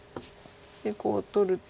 でこう取ると。